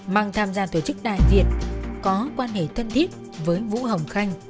măng tham gia tổ chức đại việt có quan hệ thân thiết với vũ hồng khanh nghiêm kế tổ